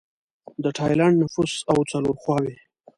د ټایلنډ نفوس او څلور خواووې